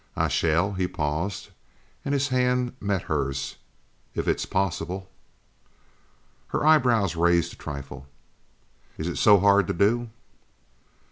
"I shall!" He paused and his hand met hers. "If it is possible." Her eyebrows raised a trifle. "Is it so hard to do?"